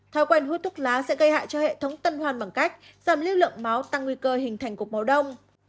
thói quen hút thuốc lá sẽ gây hại cho hệ thống tân hoan bằng cách giảm lưu lượng máu tăng nguy cơ hình thành cục máu đông